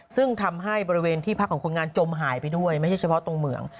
ซึ่งทำให้บริเวณที่พักของคนงานจมหายไปด้วยไม่ใช่เฉพาะตรงเหมือง